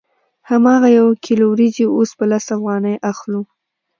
هماغه یو کیلو وریجې اوس په لس افغانۍ اخلو